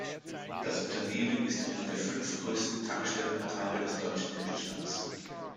Das Unternehmen ist einer der fünf größten Tankstellenbetreiber des deutschen Mittelstands.